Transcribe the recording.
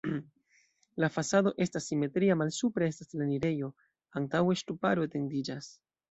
La fasado estas simetria, malsupre estas la enirejo, antaŭe ŝtuparo etendiĝas.